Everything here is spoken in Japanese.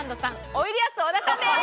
おいでやす小田さんです！